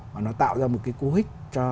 và nó tạo ra một cái cú hích